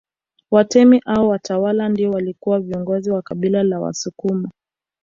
Watemi au watawala ndio walikuwa viongozi wa kabila la Wasukuma